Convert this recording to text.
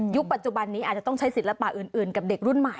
ปัจจุบันนี้อาจจะต้องใช้ศิลปะอื่นกับเด็กรุ่นใหม่